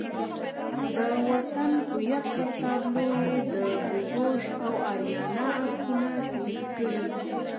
د وطن هویت پر تابلو یې د ګوګوش او آریانا عکسونه سریښ کړي.